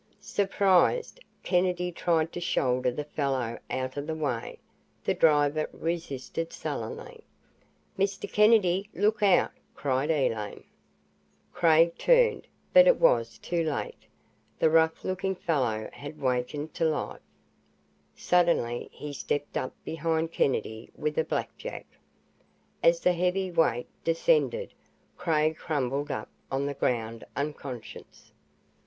Surprised, Kennedy tried to shoulder the fellow out of the way. The driver resisted sullenly. "Mr. Kennedy look out!" cried Elaine. Craig turned. But it was too late. The rough looking fellow had wakened to life. Suddenly he stepped up behind Kennedy with a blackjack. As the heavy weight descended, Craig crumpled up on the ground, unconscious.